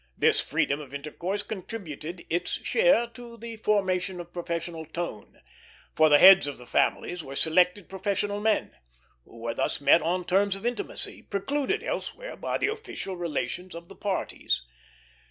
This freedom of intercourse contributed its share to the formation of professional tone, for the heads of the families were selected professional men, who were thus met on terms of intimacy, precluded elsewhere by the official relations of the parties.